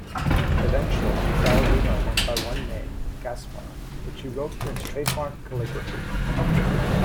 Eventually Saladino went by one name, "Gaspar," which he wrote in his trademark calligraphy.